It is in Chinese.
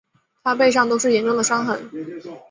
她背上都是严重的伤痕